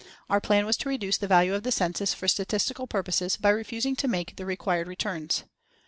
Our plan was to reduce the value of the census for statistical purposes by refusing to make the required returns.